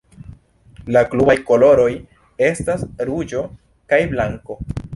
La klubaj koloroj estas ruĝo kaj blanko.